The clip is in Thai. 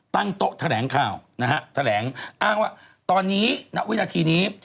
ตั้งโต๊ะแถลงข่าวนะฮะแถลงอ้างว่าตอนนี้ณวินาทีนี้